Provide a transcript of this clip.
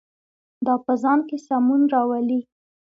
دا په ځان کې سمون راولي.